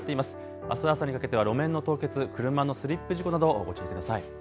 あす朝にかけては路面の凍結、車のスリップ事故などもご注意ください。